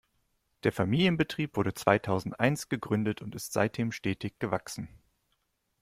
Der Familienbetrieb wurde zweitausendeins gegründet und ist seitdem stetig gewachsen.